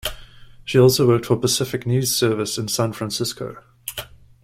She also worked for Pacific News Service in San Francisco.